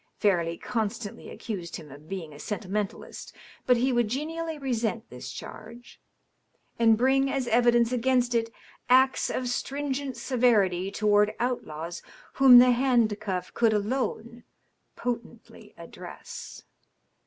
Fairleigh con stantly accused him of being a sentimentalist ; but he would genially resent this charge, and bring as evidence against it acts of stringent severity toward outlaws whom the hand cuff could alone potently ad dress.